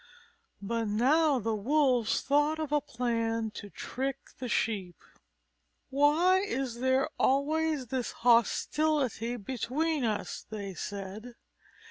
But now the Wolves thought of a plan to trick the Sheep. "Why is there always this hostility between us?" they said.